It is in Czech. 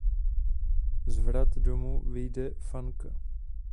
Z vrat domu vyjde Fanka.